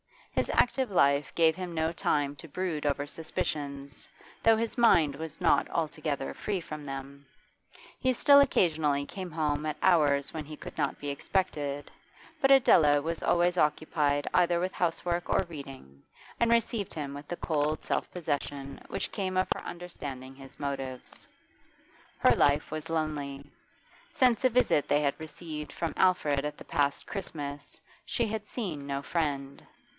His active life gave him no time to brood over suspicions, though his mind was not altogether free from them. He still occasionally came home at hours when he could not be expected, but Adela was always occupied either with housework or reading, and received him with the cold self possession which came of her understanding his motives. Her life was lonely; since a visit they had received from Alfred at the past Christmas she had seen no friend.